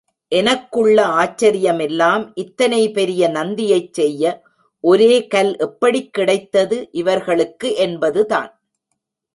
எனக்குள்ள ஆச்சரியமெல்லாம் இத்தனை பெரிய நந்தியைச் செய்ய ஒரே கல் எப்படிக் கிடைத்தது இவர்களுக்கு என்பதுதான்.